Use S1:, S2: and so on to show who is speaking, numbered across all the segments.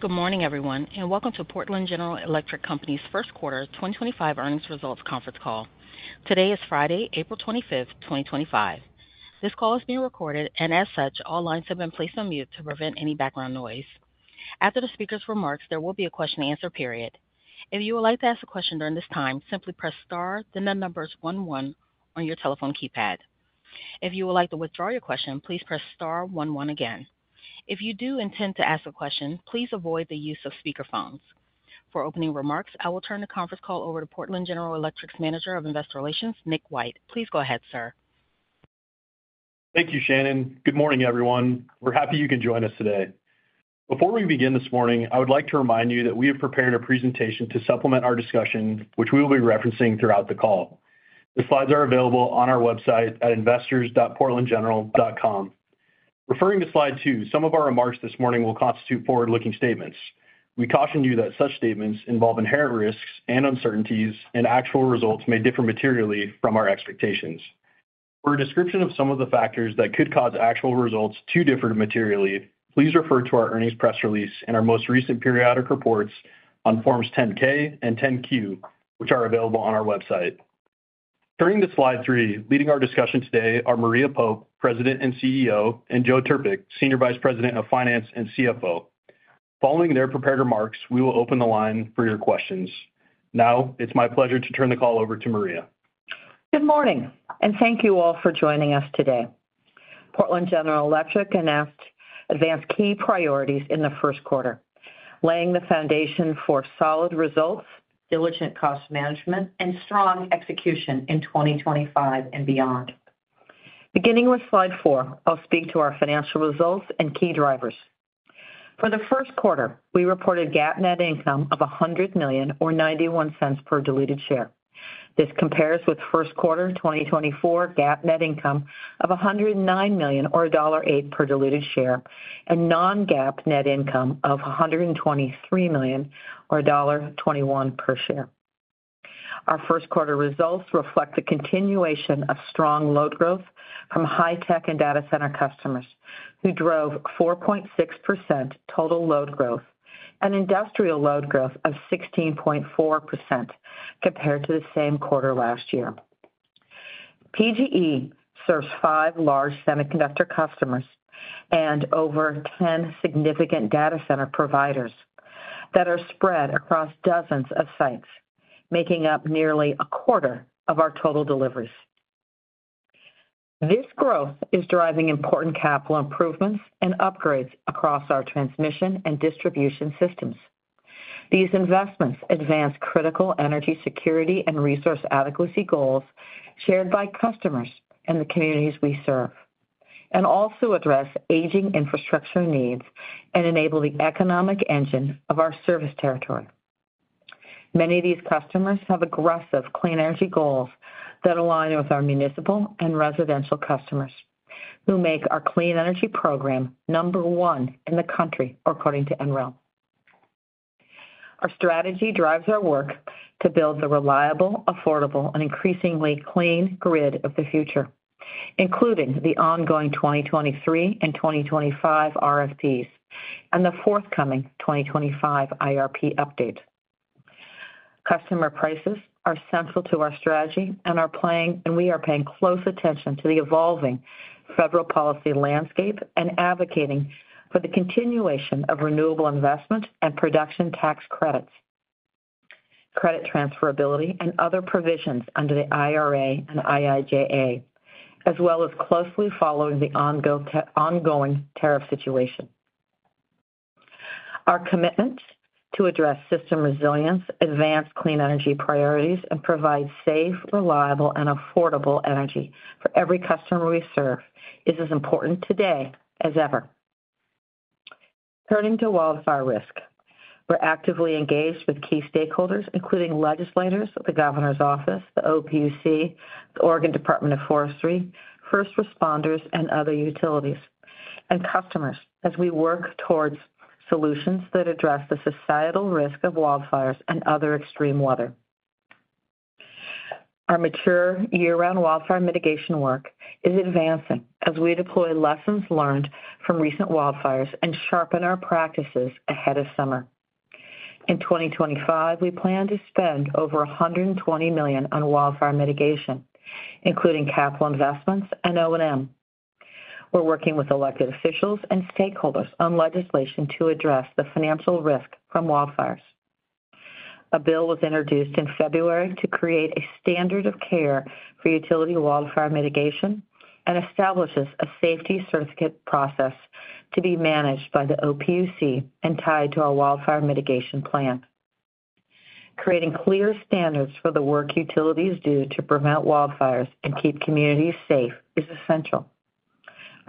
S1: Good morning, everyone, and welcome to Portland General Electric Company's First Quarter 2025 Earnings Results Conference Call. Today is Friday, April 25th, 2025. This call is being recorded, and as such, all lines have been placed on mute to prevent any background noise. After the speaker's remarks, there will be a question-and-answer period. If you would like to ask a question during this time, simply press star, then the number one one on your telephone keypad. If you would like to withdraw your question, please press star, one one again. If you do intend to ask a question, please avoid the use of speakerphones. For opening remarks, I will turn the conference call over to Portland General Electric's Manager of Investor Relations, Nick White. Please go ahead, sir.
S2: Thank you, Shannon. Good morning, everyone. We're happy you can join us today. Before we begin this morning, I would like to remind you that we have prepared a presentation to supplement our discussion, which we will be referencing throughout the call. The slides are available on our website at investors.portlandgeneral.com. Referring to slide two, some of our remarks this morning will constitute forward-looking statements. We caution you that such statements involve inherent risks and uncertainties, and actual results may differ materially from our expectations. For a description of some of the factors that could cause actual results to differ materially, please refer to our earnings press release and our most recent periodic reports on Forms 10-K and 10-Q, which are available on our website. Turning to slide three, leading our discussion today are Maria Pope, President and CEO, and Joe Trpik, Senior Vice President of Finance and CFO. Following their prepared remarks, we will open the line for your questions. Now, it's my pleasure to turn the call over to Maria.
S3: Good morning, and thank you all for joining us today. Portland General Electric announced advanced key priorities in the first quarter, laying the foundation for solid results, diligent cost management, and strong execution in 2025 and beyond. Beginning with slide four, I'll speak to our financial results and key drivers. For the first quarter, we reported GAAP net income of $100 million, or $0.91 per share. This compares with first quarter 2024 GAAP net income of $109 million, or $1.08 per share, and non-GAAP net income of $123 million, or $1.21 per share. Our first quarter results reflect the continuation of strong load growth from high-tech and data center customers, who drove 4.6% total load growth and industrial load growth of 16.4% compared to the same quarter last year. PGE serves five large semiconductor customers and over 10 significant data center providers that are spread across dozens of sites, making up nearly a quarter of our total deliveries. This growth is driving important capital improvements and upgrades across our transmission and distribution systems. These investments advance critical energy security and resource adequacy goals shared by customers and the communities we serve, and also address aging infrastructure needs and enable the economic engine of our service territory. Many of these customers have aggressive clean energy goals that align with our municipal and residential customers, who make our clean energy program number one in the country, according to NREL. Our strategy drives our work to build the reliable, affordable, and increasingly clean grid of the future, including the ongoing 2023 and 2025 RFPs and the forthcoming 2025 IRP update. Customer prices are central to our strategy, and we are paying close attention to the evolving federal policy landscape and advocating for the continuation of renewable investment and production tax credits, credit transferability, and other provisions under the IRA and IIJA, as well as closely following the ongoing tariff situation. Our commitment to address system resilience, advance clean energy priorities, and provide safe, reliable, and affordable energy for every customer we serve is as important today as ever. Turning to wildfire risk, we're actively engaged with key stakeholders, including legislators, the Governor's Office, the OPUC, the Oregon Department of Forestry, first responders, and other utilities, and customers as we work towards solutions that address the societal risk of wildfires and other extreme weather. Our mature year-round wildfire mitigation work is advancing as we deploy lessons learned from recent wildfires and sharpen our practices ahead of summer. In 2025, we plan to spend over $120 million on wildfire mitigation, including capital investments and O&M. We're working with elected officials and stakeholders on legislation to address the financial risk from wildfires. A bill was introduced in February to create a standard of care for utility wildfire mitigation and establishes a safety certificate process to be managed by the OPUC and tied to our wildfire mitigation plan. Creating clear standards for the work utilities do to prevent wildfires and keep communities safe is essential.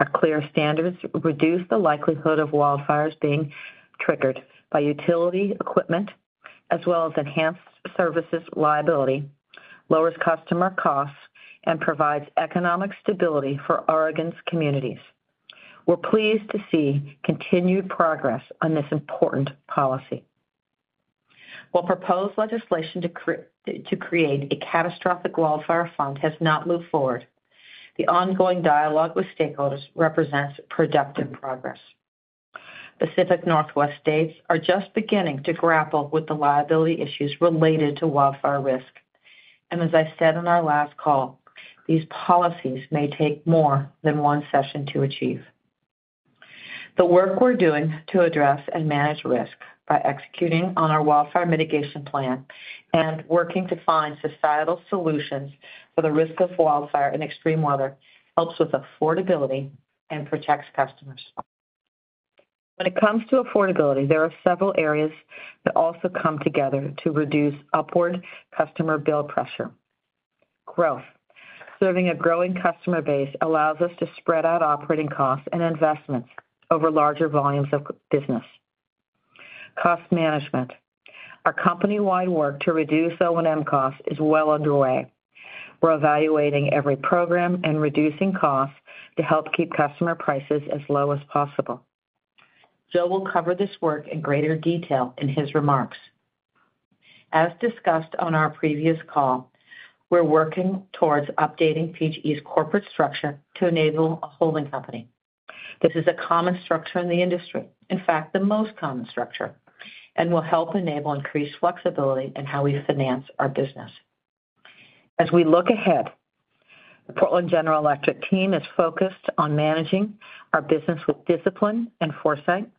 S3: Our clear standards reduce the likelihood of wildfires being triggered by utility equipment, as well as enhance services reliability, lower customer costs, and provide economic stability for Oregon's communities. We're pleased to see continued progress on this important policy. While proposed legislation to create a catastrophic wildfire fund has not moved forward, the ongoing dialogue with stakeholders represents productive progress. Pacific Northwest states are just beginning to grapple with the liability issues related to wildfire risk. As I said in our last call, these policies may take more than one session to achieve. The work we're doing to address and manage risk by executing on our wildfire mitigation plan and working to find societal solutions for the risk of wildfire and extreme weather helps with affordability and protects customers. When it comes to affordability, there are several areas that also come together to reduce upward customer bill pressure. Growth. Serving a growing customer base allows us to spread out operating costs and investments over larger volumes of business. Cost management. Our company-wide work to reduce O&M costs is well underway. We're evaluating every program and reducing costs to help keep customer prices as low as possible. Joe will cover this work in greater detail in his remarks. As discussed on our previous call, we're working towards updating PGE's corporate structure to enable a holding company. This is a common structure in the industry, in fact, the most common structure, and will help enable increased flexibility in how we finance our business. As we look ahead, the Portland General Electric team is focused on managing our business with discipline and foresight,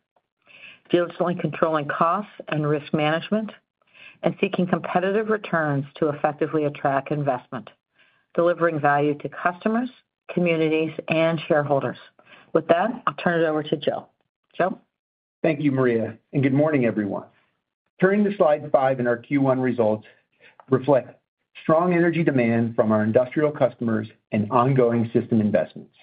S3: diligently controlling costs and risk management, and seeking competitive returns to effectively attract investment, delivering value to customers, communities, and shareholders. With that, I'll turn it over to Joe. Joe.
S4: Thank you, Maria, and good morning, everyone. Turning to slide five in our Q1 results reflects strong energy demand from our industrial customers and ongoing system investments.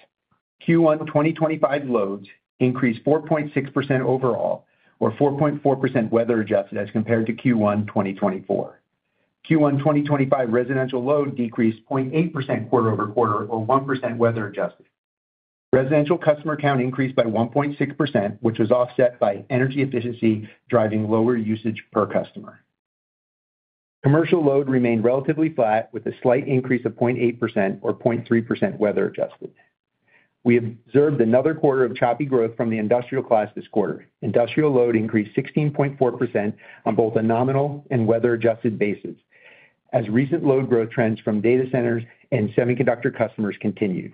S4: Q1 2025 loads increased 4.6% overall, or 4.4% weather adjusted as compared to Q1 2024. Q1 2025 residential load decreased 0.8% quarter-over-quarter, or 1% weather adjusted. Residential customer count increased by 1.6%, which was offset by energy efficiency driving lower usage per customer. Commercial load remained relatively flat with a slight increase of 0.8%, or 0.3% weather adjusted. We observed another quarter of choppy growth from the industrial class this quarter. Industrial load increased 16.4% on both a nominal and weather adjusted basis as recent load growth trends from data centers and semiconductor customers continued.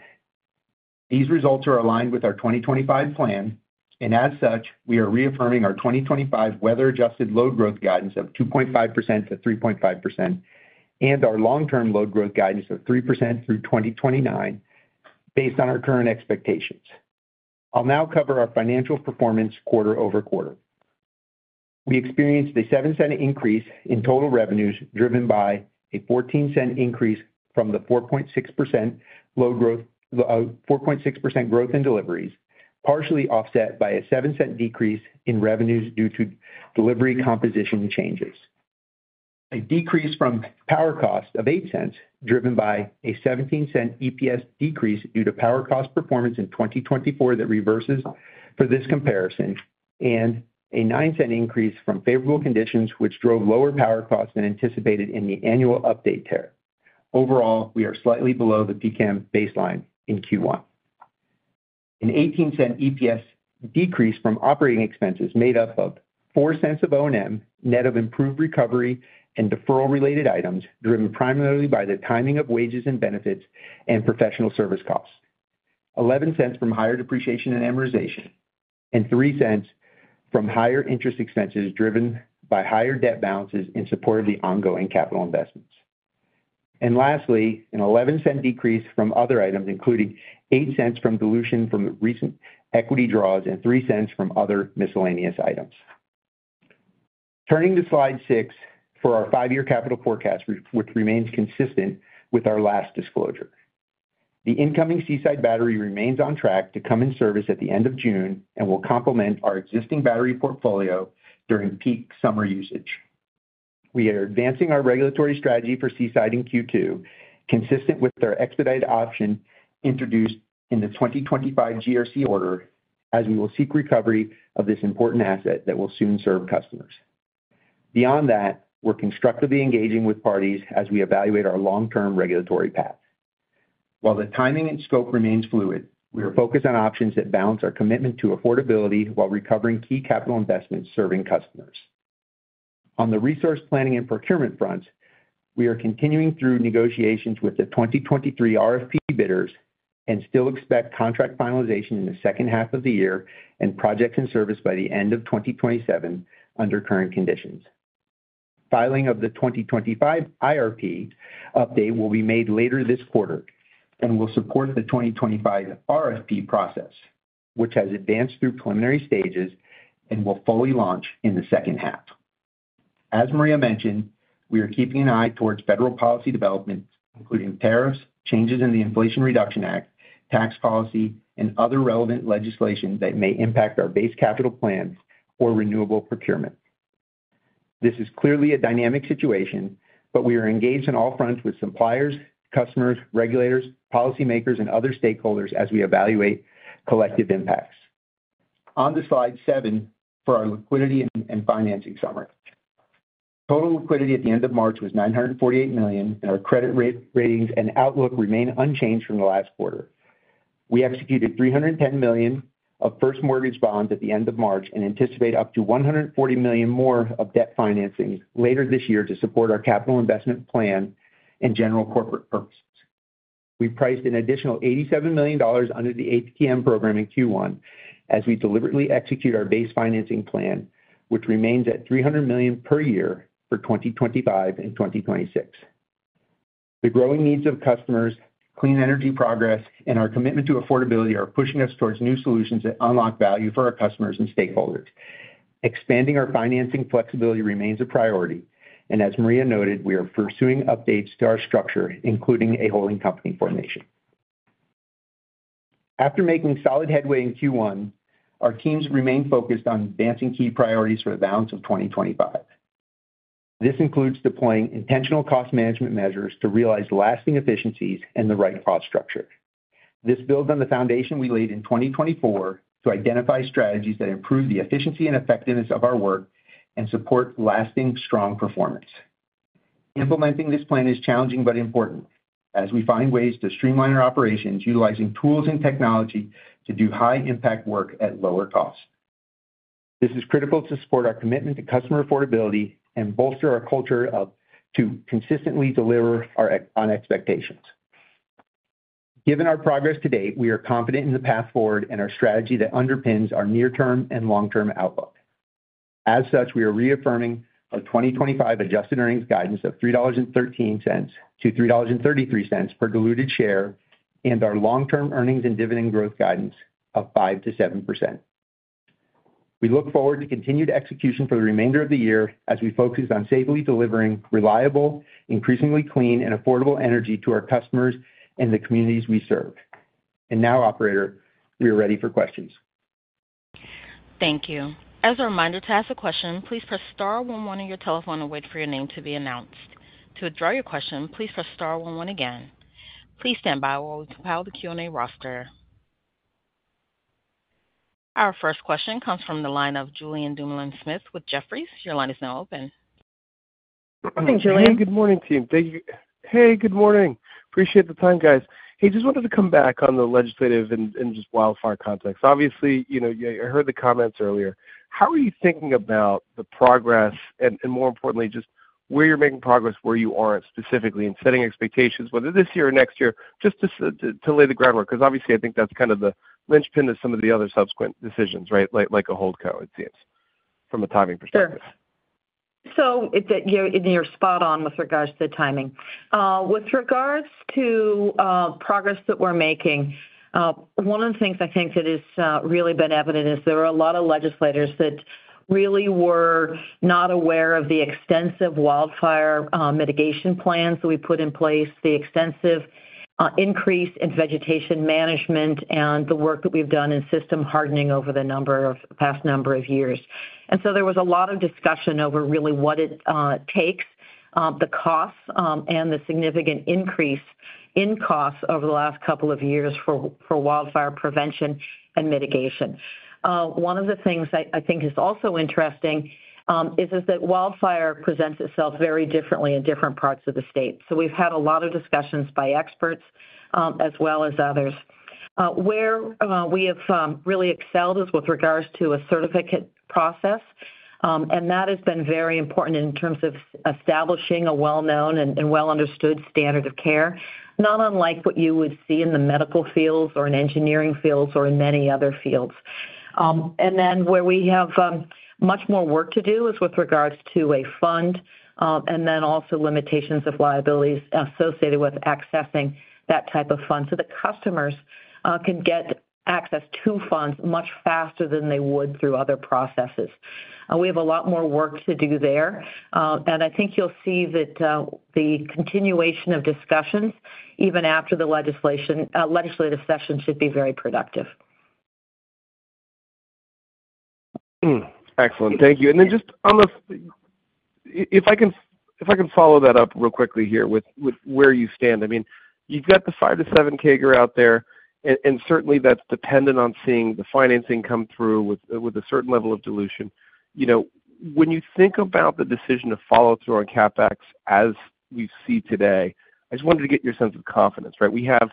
S4: These results are aligned with our 2025 plan, and as such, we are reaffirming our 2025 weather-adjusted load growth guidance of 2.5%-3.5% and our long-term load growth guidance of 3% through 2029 based on our current expectations. I'll now cover our financial performance quarter-over-quarter. We experienced a $0.07 increase in total revenues driven by a $0.14 increase from the 4.6% growth in deliveries, partially offset by a $0.07 decrease in revenues due to delivery composition changes. A decrease from power cost of $0.08 driven by a $0.17 EPS decrease due to power cost performance in 2024 that reverses for this comparison, and a $0.09 increase from favorable conditions, which drove lower power costs than anticipated in the annual update tariff. Overall, we are slightly below the PCAM baseline in Q1. An $0.18 EPS decrease from operating expenses made up of $0.04 of O&M, net of improved recovery and deferral-related items driven primarily by the timing of wages and benefits and professional service costs, $0.11 from higher depreciation and amortization, and $0.03 from higher interest expenses driven by higher debt balances in support of the ongoing capital investments. Lastly, an $0.11 decrease from other items, including $0.08 from dilution from recent equity draws and $0.03 from other miscellaneous items. Turning to slide six for our five-year capital forecast, which remains consistent with our last disclosure. The incoming Seaside battery remains on track to come in service at the end of June and will complement our existing battery portfolio during peak summer usage. We are advancing our regulatory strategy for Seaside in Q2, consistent with our expedited option introduced in the 2025 GRC order, as we will seek recovery of this important asset that will soon serve customers. Beyond that, we're constructively engaging with parties as we evaluate our long-term regulatory path. While the timing and scope remains fluid, we are focused on options that balance our commitment to affordability while recovering key capital investments serving customers. On the resource planning and procurement fronts, we are continuing through negotiations with the 2023 RFP bidders and still expect contract finalization in the second half of the year and projects in service by the end of 2027 under current conditions. Filing of the 2025 IRP update will be made later this quarter and will support the 2025 RFP process, which has advanced through preliminary stages and will fully launch in the second half. As Maria mentioned, we are keeping an eye towards federal policy development, including tariffs, changes in the Inflation Reduction Act, tax policy, and other relevant legislation that may impact our base capital plans or renewable procurement. This is clearly a dynamic situation, but we are engaged on all fronts with suppliers, customers, regulators, policymakers, and other stakeholders as we evaluate collective impacts. On to slide seven for our liquidity and financing summary. Total liquidity at the end of March was $948 million, and our credit ratings and outlook remain unchanged from the last quarter. We executed $310 million of first mortgage bonds at the end of March and anticipate up to $140 million more of debt financing later this year to support our capital investment plan and general corporate purposes. We priced an additional $87 million under the ATM program in Q1 as we deliberately execute our base financing plan, which remains at $300 million per year for 2025 and 2026. The growing needs of customers, clean energy progress, and our commitment to affordability are pushing us towards new solutions that unlock value for our customers and stakeholders. Expanding our financing flexibility remains a priority, and as Maria noted, we are pursuing updates to our structure, including a holding company formation. After making solid headway in Q1, our teams remain focused on advancing key priorities for the balance of 2025. This includes deploying intentional cost management measures to realize lasting efficiencies and the right cost structure. This builds on the foundation we laid in 2024 to identify strategies that improve the efficiency and effectiveness of our work and support lasting, strong performance. Implementing this plan is challenging but important as we find ways to streamline our operations, utilizing tools and technology to do high-impact work at lower cost. This is critical to support our commitment to customer affordability and bolster our culture to consistently deliver on expectations. Given our progress to date, we are confident in the path forward and our strategy that underpins our near-term and long-term outlook. As such, we are reaffirming our 2025 adjusted earnings guidance of $3.13-$3.33 per diluted share and our long-term earnings and dividend growth guidance of 5%-7%. We look forward to continued execution for the remainder of the year as we focus on safely delivering reliable, increasingly clean, and affordable energy to our customers and the communities we serve. Now, Operator, we are ready for questions.
S1: Thank you. As a reminder to ask a question, please press star one one on your telephone and wait for your name to be announced. To withdraw your question, please press star one one again. Please stand by while we compile the Q&A roster. Our first question comes from the line of Julien Dumoulin-Smith with Jefferies. Your line is now open.
S3: Good morning, Julien.
S5: Hey, good morning, team. Thank you. Hey, good morning. Appreciate the time, guys. Hey, just wanted to come back on the legislative and just wildfire context. Obviously, you heard the comments earlier. How are you thinking about the progress and, more importantly, just where you're making progress, where you aren't specifically in setting expectations, whether this year or next year, just to lay the groundwork? Because obviously, I think that's kind of the linchpin of some of the other subsequent decisions, right? Like a HoldCo, it seems, from a timing perspective.
S3: You're spot on with regards to the timing. With regards to progress that we're making, one of the things I think that has really been evident is there are a lot of legislators that really were not aware of the extensive wildfire mitigation plans that we put in place, the extensive increase in vegetation management, and the work that we've done in system hardening over the past number of years. There was a lot of discussion over really what it takes, the costs, and the significant increase in costs over the last couple of years for wildfire prevention and mitigation. One of the things I think is also interesting is that wildfire presents itself very differently in different parts of the state. We've had a lot of discussions by experts as well as others. Where we have really excelled is with regards to a certificate process, and that has been very important in terms of establishing a well-known and well-understood standard of care, not unlike what you would see in the medical fields or in engineering fields or in many other fields. Where we have much more work to do is with regards to a fund and then also limitations of liabilities associated with accessing that type of fund so that customers can get access to funds much faster than they would through other processes. We have a lot more work to do there, and I think you'll see that the continuation of discussions, even after the legislative session, should be very productive.
S5: Excellent. Thank you. Then just on the, if I can follow that up real quickly here with where you stand, I mean, you've got the 5%-7% CAGR out there, and certainly that's dependent on seeing the financing come through with a certain level of dilution. When you think about the decision to follow through on CapEx as we see today, I just wanted to get your sense of confidence, right? We have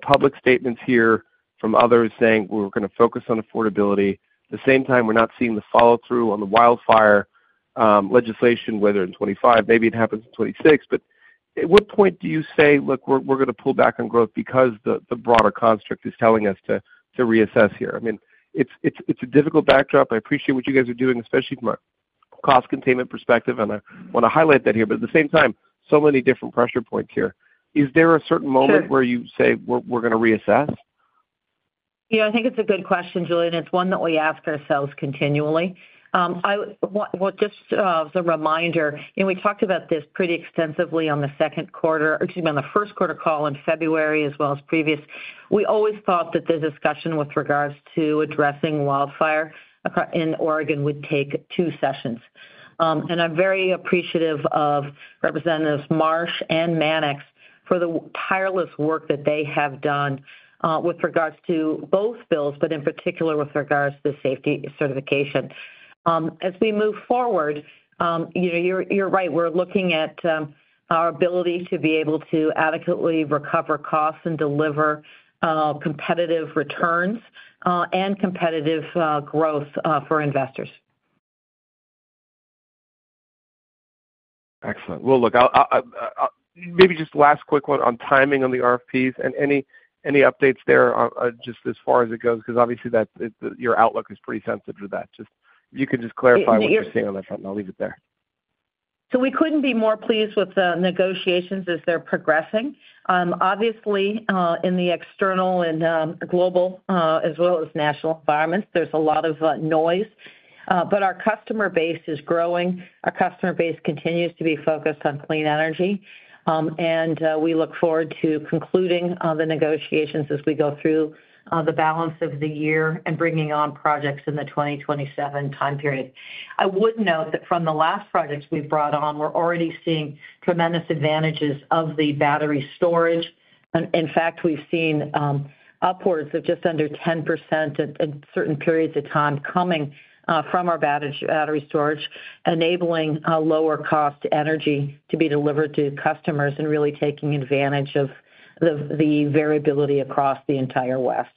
S5: public statements here from others saying we're going to focus on affordability. At the same time, we're not seeing the follow-through on the wildfire legislation, whether in 2025, maybe it happens in 2026. At what point do you say, "Look, we're going to pull back on growth because the broader construct is telling us to reassess here"? I mean, it's a difficult backdrop. I appreciate what you guys are doing, especially from a cost containment perspective, and I want to highlight that here. At the same time, so many different pressure points here. Is there a certain moment where you say, "We're going to reassess"?
S3: Yeah, I think it's a good question, Julien. It's one that we ask ourselves continually. Just as a reminder, we talked about this pretty extensively on the first quarter call in February as well as previous. We always thought that the discussion with regards to addressing wildfire in Oregon would take two sessions. I'm very appreciative of Representatives Marsh and Mannix for the tireless work that they have done with regards to both bills, but in particular with regards to safety certification. As we move forward, you're right. We're looking at our ability to be able to adequately recover costs and deliver competitive returns and competitive growth for investors.
S5: Excellent. Look, maybe just last quick one on timing on the RFPs and any updates there just as far as it goes, because obviously your outlook is pretty sensitive to that. Just if you can just clarify what you're seeing on that front, and I'll leave it there.
S3: We couldn't be more pleased with the negotiations as they're progressing. Obviously, in the external and global as well as national environments, there's a lot of noise, but our customer base is growing. Our customer base continues to be focused on clean energy, and we look forward to concluding the negotiations as we go through the balance of the year and bringing on projects in the 2027 time period. I would note that from the last projects we've brought on, we're already seeing tremendous advantages of the battery storage. In fact, we've seen upwards of just under 10% in certain periods of time coming from our battery storage, enabling lower-cost energy to be delivered to customers and really taking advantage of the variability across the entire West.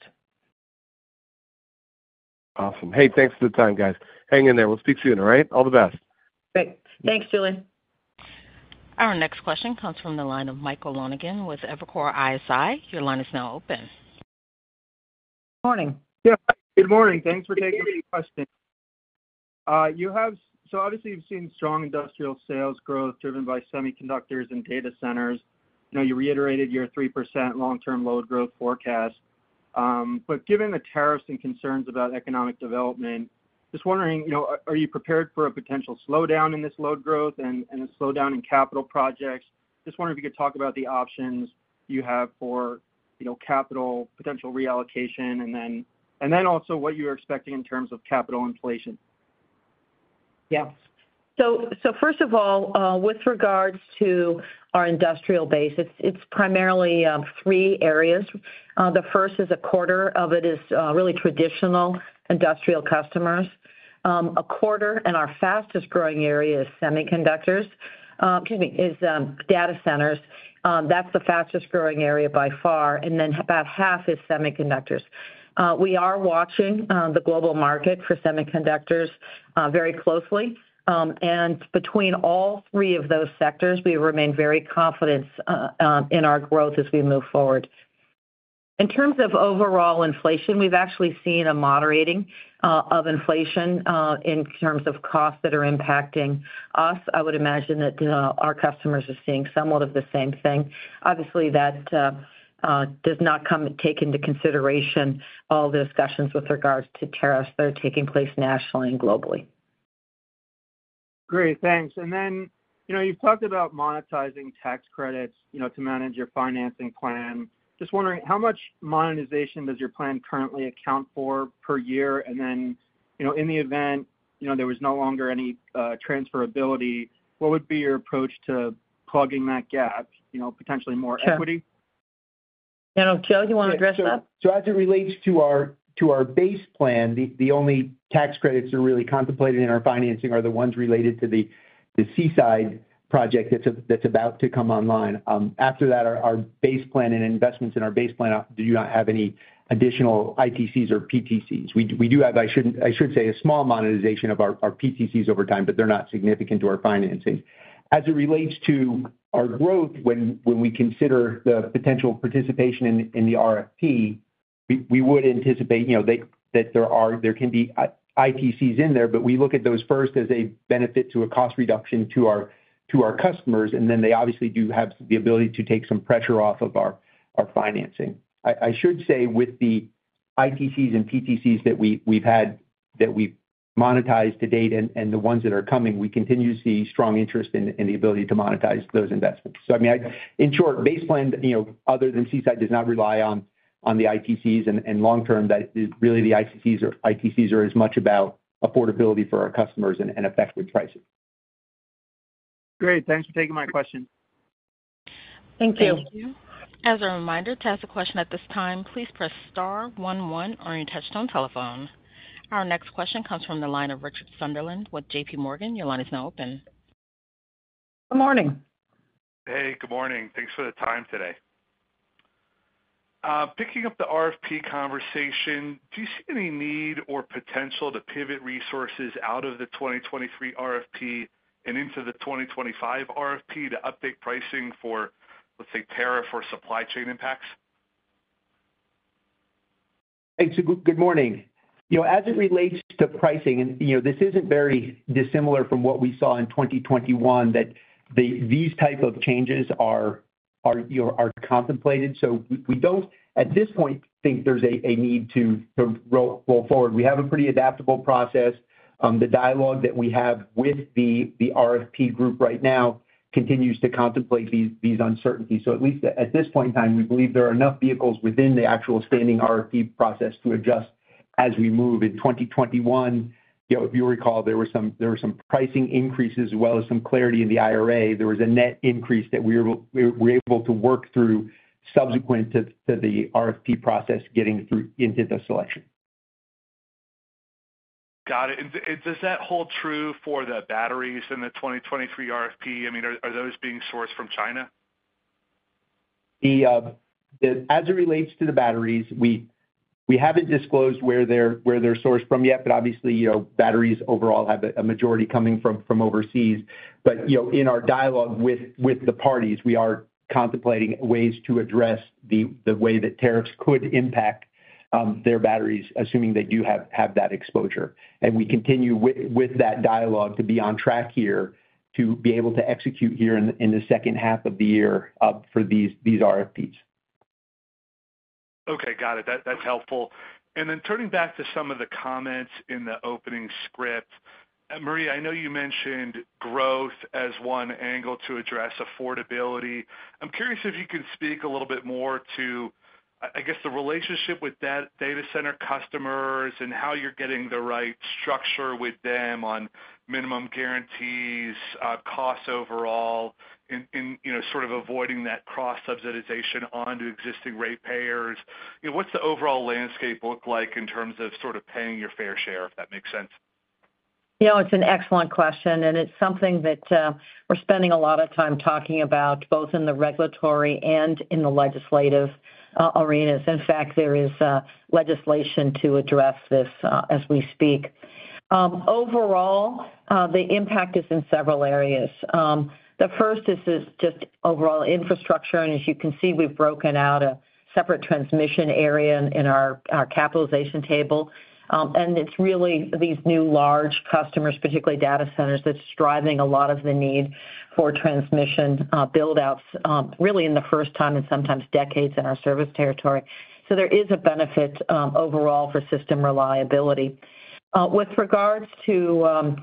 S5: Awesome. Hey, thanks for the time, guys. Hang in there. We'll speak soon, all right? All the best.
S3: Thanks, Julian.
S1: Our next question comes from the line of Michael Lonegan with Evercore ISI. Your line is now open.
S3: Good morning.
S6: Yeah, good morning. Thanks for taking the question. Obviously, you've seen strong industrial sales growth driven by semiconductors and data centers. You reiterated your 3% long-term load growth forecast. Given the tariffs and concerns about economic development, just wondering, are you prepared for a potential slowdown in this load growth and a slowdown in capital projects? Just wondering if you could talk about the options you have for capital, potential reallocation, and then also what you're expecting in terms of capital inflation.
S3: Yeah. First of all, with regards to our industrial base, it's primarily three areas. The first is a quarter of it is really traditional industrial customers. A quarter, and our fastest growing area, is data centers. That's the fastest growing area by far. Then about half is semiconductors. We are watching the global market for semiconductors very closely. Between all three of those sectors, we remain very confident in our growth as we move forward. In terms of overall inflation, we've actually seen a moderating of inflation in terms of costs that are impacting us. I would imagine that our customers are seeing somewhat of the same thing. Obviously, that does not take into consideration all the discussions with regards to tariffs that are taking place nationally and globally.
S6: Great. Thanks. You have talked about monetizing tax credits to manage your financing plan. Just wondering, how much monetization does your plan currently account for per year? In the event there was no longer any transferability, what would be your approach to plugging that gap? Potentially more equity?
S3: Yeah. Joe, do you want to address that?
S4: As it relates to our base plan, the only tax credits that are really contemplated in our financing are the ones related to the Seaside project that's about to come online. After that, our base plan and investments in our base plan do not have any additional ITCs or PTCs. We do have, I should say, a small monetization of our PTCs over time, but they're not significant to our financing. As it relates to our growth, when we consider the potential participation in the RFP, we would anticipate that there can be ITCs in there, but we look at those first as a benefit to a cost reduction to our customers, and then they obviously do have the ability to take some pressure off of our financing. I should say with the ITCs and PTCs that we've had that we've monetized to date and the ones that are coming, we continue to see strong interest in the ability to monetize those investments. I mean, in short, base plan, other than Seaside, does not rely on the ITCs. Long-term, really the ITCs are as much about affordability for our customers and effective pricing.
S6: Great. Thanks for taking my question.
S3: Thank you.
S1: Thank you. As a reminder to ask a question at this time, please press star one one or your touchtone telephone. Our next question comes from the line of Richard Sunderland with JPMorgan. Your line is now open.
S3: Good morning.
S7: Hey, good morning. Thanks for the time today. Picking up the RFP conversation, do you see any need or potential to pivot resources out of the 2023 RFP and into the 2025 RFP to update pricing for, let's say, tariff or supply chain impacts?
S4: Thanks. Good morning. As it relates to pricing, this isn't very dissimilar from what we saw in 2021 that these types of changes are contemplated. We don't, at this point, think there's a need to roll forward. We have a pretty adaptable process. The dialogue that we have with the RFP group right now continues to contemplate these uncertainties. At least at this point in time, we believe there are enough vehicles within the actual standing RFP process to adjust as we move in 2021. If you recall, there were some pricing increases as well as some clarity in the IRA. There was a net increase that we were able to work through subsequent to the RFP process getting into the selection.
S7: Got it. Does that hold true for the batteries in the 2023 RFP? I mean, are those being sourced from China?
S4: As it relates to the batteries, we haven't disclosed where they're sourced from yet, but obviously, batteries overall have a majority coming from overseas. In our dialogue with the parties, we are contemplating ways to address the way that tariffs could impact their batteries, assuming they do have that exposure. We continue with that dialogue to be on track here to be able to execute here in the second half of the year for these RFPs.
S7: Okay. Got it. That's helpful. Turning back to some of the comments in the opening script, Maria, I know you mentioned growth as one angle to address affordability. I'm curious if you can speak a little bit more to, I guess, the relationship with data center customers and how you're getting the right structure with them on minimum guarantees, costs overall, and sort of avoiding that cross-subsidization onto existing ratepayers. What's the overall landscape look like in terms of sort of paying your fair share, if that makes sense?
S3: It's an excellent question, and it's something that we're spending a lot of time talking about both in the regulatory and in the legislative arenas. In fact, there is legislation to address this as we speak. Overall, the impact is in several areas. The first is just overall infrastructure. As you can see, we've broken out a separate transmission area in our capitalization table. It's really these new large customers, particularly data centers, that's driving a lot of the need for transmission buildouts really for the first time in sometimes decades in our service territory. There is a benefit overall for system reliability. With regards to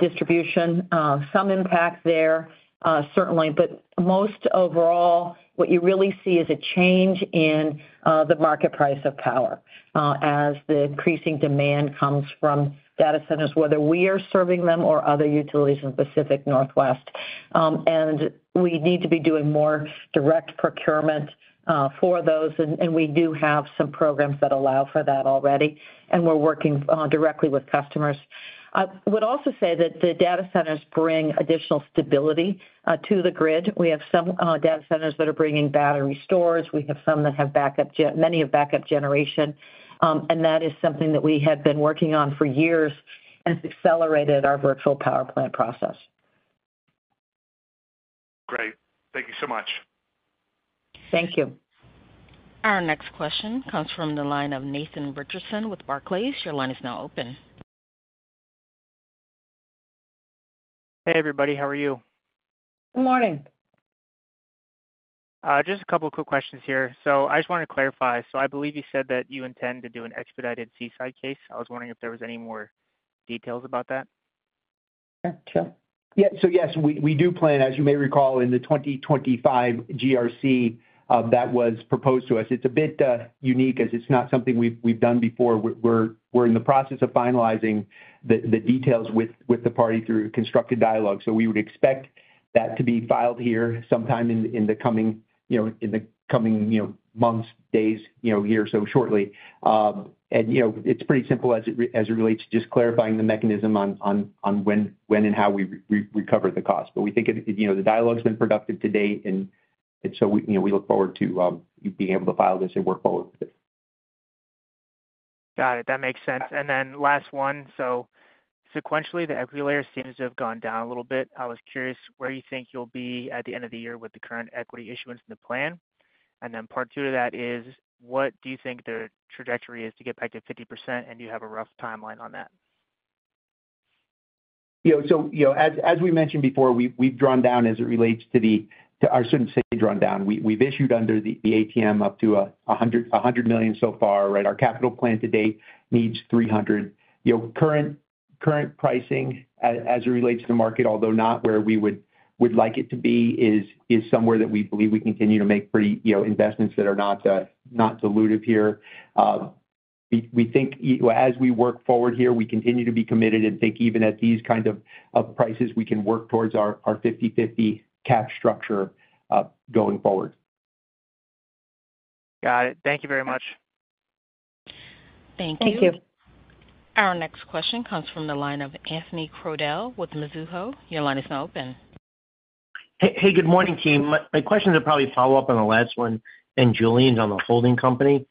S3: distribution, some impact there certainly, but most overall, what you really see is a change in the market price of power as the increasing demand comes from data centers, whether we are serving them or other utilities in the Pacific Northwest. We need to be doing more direct procurement for those. We do have some programs that allow for that already, and we're working directly with customers. I would also say that the data centers bring additional stability to the grid. We have some data centers that are bringing battery storage. We have some that have backup, many have backup generation. That is something that we have been working on for years and has accelerated our virtual power plant process.
S7: Great. Thank you so much.
S3: Thank you.
S1: Our next question comes from the line of Nathan Richardson with Barclays. Your line is now open.
S8: Hey, everybody. How are you?
S3: Good morning.
S8: Just a couple of quick questions here. I just wanted to clarify. I believe you said that you intend to do an expedited Seaside case. I was wondering if there were any more details about that.
S3: Sure. Sure.
S4: Yeah. Yes, we do plan, as you may recall, in the 2025 GRC that was proposed to us. It's a bit unique as it's not something we've done before. We're in the process of finalizing the details with the party through constructive dialogue. We would expect that to be filed here sometime in the coming months, days, year or so shortly. It's pretty simple as it relates to just clarifying the mechanism on when and how we recover the cost. We think the dialogue has been productive to date, and we look forward to being able to file this and work forward with it.
S8: Got it. That makes sense. Last one. Sequentially, the equity layer seems to have gone down a little bit. I was curious where you think you'll be at the end of the year with the current equity issuance and the plan. Part two of that is, what do you think the trajectory is to get back to 50%, and do you have a rough timeline on that?
S4: As we mentioned before, we've drawn down as it relates to our certain state drawn down. We've issued under the ATM up to $100 million so far, right? Our capital plan to date needs $300 million. Current pricing as it relates to the market, although not where we would like it to be, is somewhere that we believe we continue to make pretty investments that are not dilutive here. We think as we work forward here, we continue to be committed and think even at these kinds of prices, we can work towards our 50/50 cap structure going forward.
S8: Got it. Thank you very much.
S3: Thank you.
S1: Thank you. Our next question comes from the line of Anthony Crowdell with Mizuho. Your line is now open.
S9: Hey, good morning, team. My questions are probably follow-up on the last one, and Julien's on the holding company.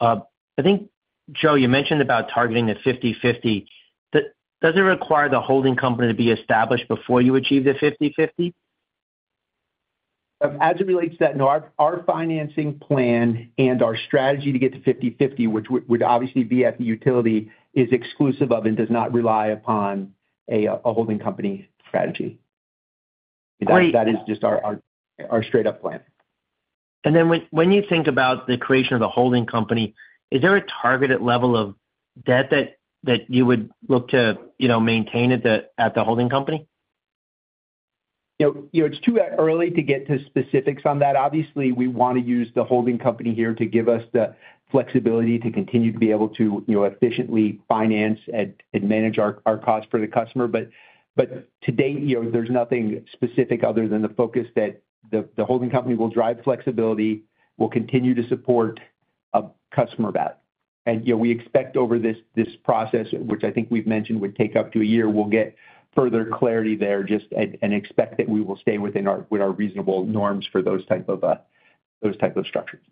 S9: I think, Joe, you mentioned about targeting the 50/50. Does it require the holding company to be established before you achieve the 50/50?
S4: As it relates to that, no. Our financing plan and our strategy to get to 50/50, which would obviously be at the utility, is exclusive of and does not rely upon a holding company strategy. That is just our straight-up plan.
S9: When you think about the creation of the holding company, is there a targeted level of debt that you would look to maintain at the holding company?
S4: It's too early to get to specifics on that. Obviously, we want to use the holding company here to give us the flexibility to continue to be able to efficiently finance and manage our costs for the customer. To date, there's nothing specific other than the focus that the holding company will drive flexibility, will continue to support customer value. We expect over this process, which I think we've mentioned would take up to a year, we'll get further clarity there and expect that we will stay within our reasonable norms for those types of structures.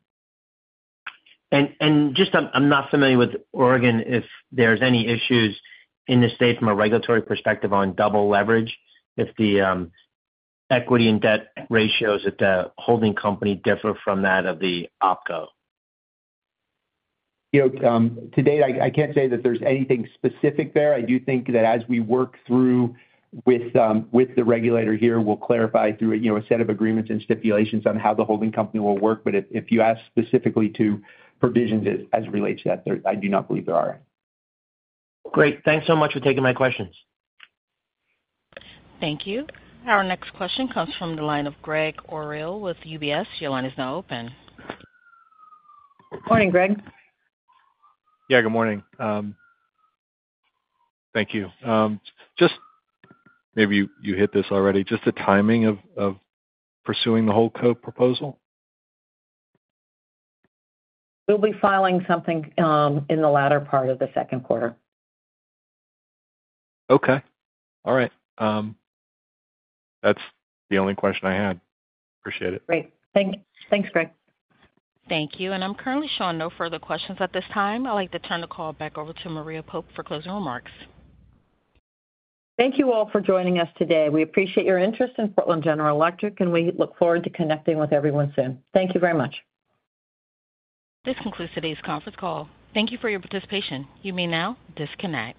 S9: I'm not familiar with Oregon if there's any issues in the state from a regulatory perspective on double leverage, if the equity and debt ratios at the holding company differ from that of the opco.
S4: To date, I can't say that there's anything specific there. I do think that as we work through with the regulator here, we'll clarify through a set of agreements and stipulations on how the holding company will work. If you ask specifically to provisions as it relates to that, I do not believe there are.
S9: Great. Thanks so much for taking my questions.
S1: Thank you. Our next question comes from the line of Gregg Orrill with UBS. Your line is now open.
S3: Morning, Gregg.
S10: Yeah, good morning. Thank you. Just maybe you hit this already. Just the timing of pursuing the HoldCo proposal?
S3: We'll be filing something in the latter part of the second quarter.
S10: Okay. All right. That's the only question I had. Appreciate it.
S3: Great. Thanks, Gregg.
S1: Thank you. I'm currently showing no further questions at this time. I'd like to turn the call back over to Maria Pope for closing remarks.
S3: Thank you all for joining us today. We appreciate your interest in Portland General Electric, and we look forward to connecting with everyone soon. Thank you very much.
S1: This concludes today's conference call. Thank you for your participation. You may now disconnect.